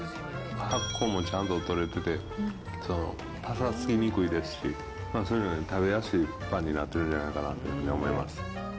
発酵もちゃんと取れてて、ぱさつきにくいですし、それなりに食べやすいパンになってるんじゃないかなというふうに思います。